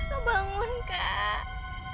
kak bangun kak